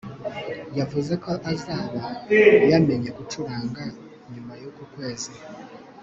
yavuzeko azaba yamenye gucuranga nyuma yuku kwezi